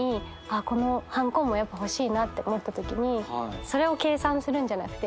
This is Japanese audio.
このハンコもやっぱ欲しいなって思ったときにそれを計算するんじゃなくて「持ってきな」って。